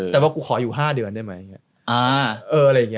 แต่ว่ากูขออยู่๕เดือนได้ไหมอะไรอย่างนี้